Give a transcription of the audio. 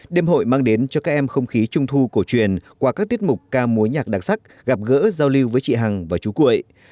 đêm hội mang đến cho các em không khí trung thu cổ truyền qua các tiết mục ca mối nhạc đặc sắc gặp gỡ giao lưu với chị hằng và chú cuội